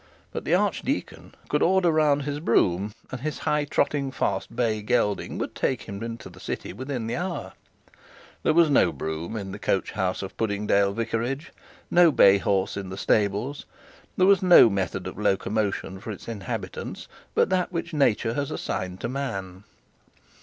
But the archdeacon could order round his brougham, and his high trotting fast bay gelding would take him into the city within the hour. There was no brougham in the coach house of Puddingdale Vicarage, no bay horse in the stables. There was no method of locomotion for its inhabitants but that which nature had assigned to man.